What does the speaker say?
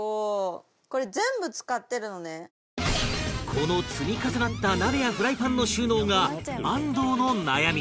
この積み重なった鍋やフライパンの収納が安藤の悩み